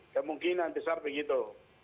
kemungkinan besar begitu